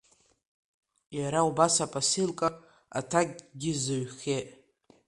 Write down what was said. Иара убас апасилка, аҭакгьы зыҩхьеит.